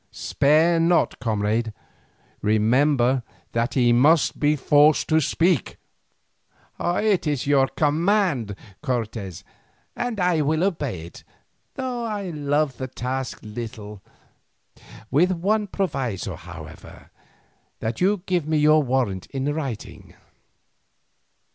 Spare not, comrade; remember that he must be forced to speak." "It is your command, Cortes, and I will obey it, though I love the task little; with one proviso, however, that you give me your warrant in writing."